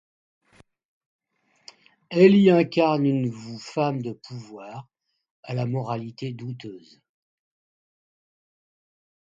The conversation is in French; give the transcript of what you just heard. Elle y incarne une femme de pouvoir à la moralité douteuse.